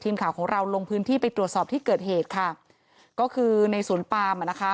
ทีมข่าวของเราลงพื้นที่ไปตรวจสอบที่เกิดเหตุค่ะก็คือในสวนปามอ่ะนะคะ